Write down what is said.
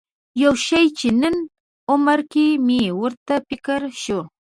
یو شي چې نن عمره کې مې ورته فکر شو.